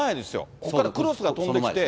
ここからクロスが飛んできて。